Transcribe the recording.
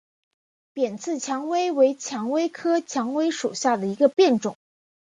扁刺蔷薇为蔷薇科蔷薇属下的一个变种。